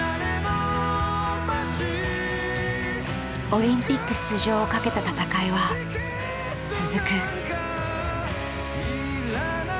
オリンピック出場をかけた戦いは続く。